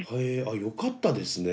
あよかったですね。